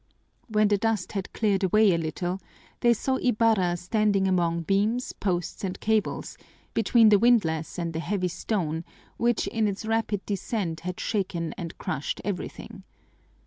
When the dust had cleared away a little, they saw Ibarra standing among beams, posts, and cables, between the windlass and the heavy stone, which in its rapid descent had shaken and crushed everything.